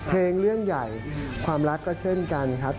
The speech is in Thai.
เรื่องใหญ่ความรักก็เช่นกันครับ